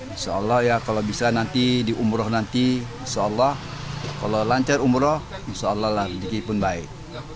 insya allah ya kalau bisa nanti diumrah nanti insya allah kalau lancar umrah insya allah lah dikipun baik